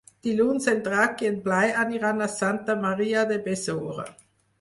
Dilluns en Drac i en Blai aniran a Santa Maria de Besora.